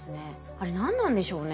あれ何なんでしょうね？